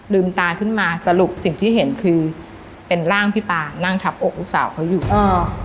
ตาขึ้นมาสรุปสิ่งที่เห็นคือเป็นร่างพี่ปานั่งทับอกลูกสาวเขาอยู่อ่า